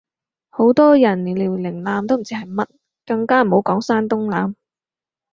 好多人連遼寧艦都唔知係乜，更加唔好講山東艦